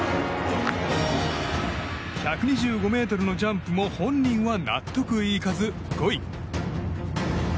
１２５ｍのジャンプも本人は納得いかず５位。